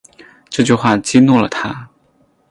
这句话激怒了他